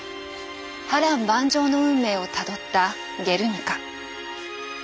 波乱万丈の運命をたどった「ゲルニカ」。